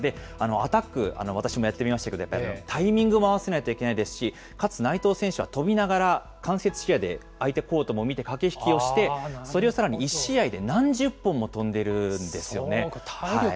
アタック、私もやってみましたけれども、やっぱりタイミングも合わせないといけないですし、かつ内藤選手は、飛びながら間接視野で相手コートも見て駆け引きもして、それをさらに１試合で何十本も飛んでいるんですよね。